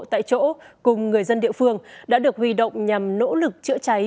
tại chỗ cùng người dân địa phương đã được huy động nhằm nỗ lực chữa cháy